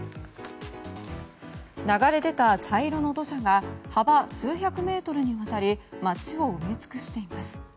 流れ出た茶色の土砂が幅数百メートルにわたり街を埋め尽くしています。